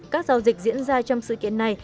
các giao dịch diễn ra trong sự kiện này